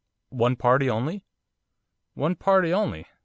'One party only?' 'One party only.